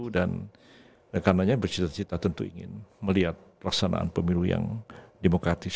dan karena bersita sita tentu ingin melihat pelaksanaan pemilu yang demokratis